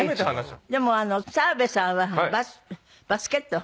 でも澤部さんはバスケット？